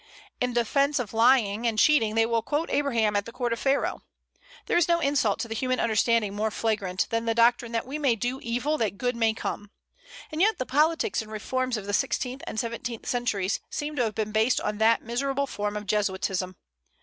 In defence of lying and cheating they will quote Abraham at the court of Pharaoh. There is no insult to the human understanding more flagrant, than the doctrine that we may do evil that good may come. And yet the politics and reforms of the sixteenth and seventeenth centuries seem to have been based on that miserable form of jesuitism.